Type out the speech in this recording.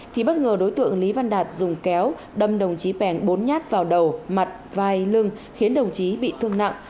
thì bất ngờ đối tượng lý văn đạt dùng kéo đâm đồng chí pèng bốn nhát vào đầu mặt vai lưng khiến đồng chí bị thương nặng